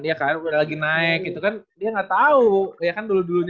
iya kan udah lagi naik gitu kan dia gak tau iya kan dulu dulunya